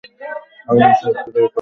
আপনার সাহায্য দরকার, স্যার।